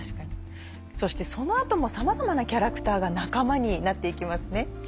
そしてその後もさまざまなキャラクターが仲間になって行きますね？